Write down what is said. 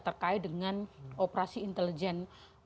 terkait dengan operasi intelijen